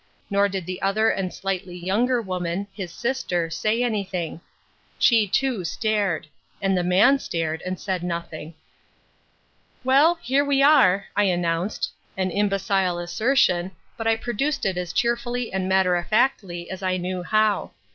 Nor did the other and slightly younger woman, his sister, say anything. She too stared. And the man stared, and said nothing. "Well, here we are," I announced an imbecile assertion, but I produced it as cheerfully and matter of factly as I knew how.